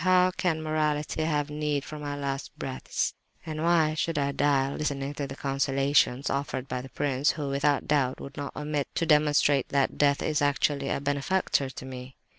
How can morality have need of my last breaths, and why should I die listening to the consolations offered by the prince, who, without doubt, would not omit to demonstrate that death is actually a benefactor to me?